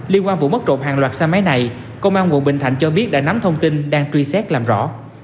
liên quan vụ mất trộm hàng loạt xe máy này công an quận bình thạnh cho biết đã nắm thông tin đang truy xét làm rõ